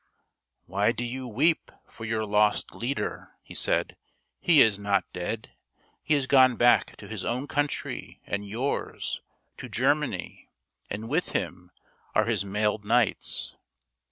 " Why do you weep for your lost leader ?" he said. " He is not dead. He has gone back to his own country and yours — to Germany ; and with him are his mailed knights.